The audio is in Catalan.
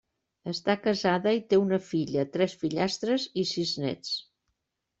Està casada i té una filla, tres fillastres i sis néts.